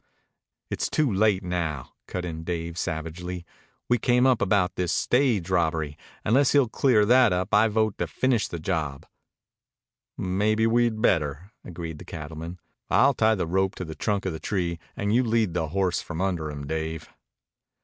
"It's too late now," cut in Dave savagely. "We came up about this stage robbery. Unless he'll clear that up, I vote to finish the job." "Maybe we'd better," agreed the cattleman. "I'll tie the rope to the trunk of the tree and you lead the horse from under him, Dave."